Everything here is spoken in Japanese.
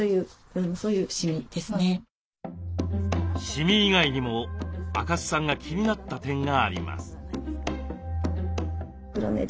シミ以外にも赤須さんが気になった点があります。